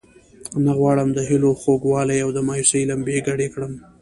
نه غواړم د هیلو خوږوالی او د مایوسۍ لمبې ګډې کړم.